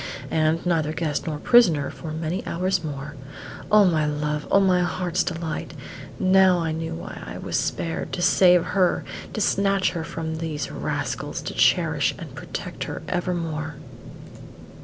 and, neither guest nor prisoner for many hours more. O my love! O my heart's delight! Now I knew why I was spared; to save her; to snatch her from these rascals; to cherish and protect her evermore!